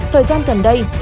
thời gian gần đây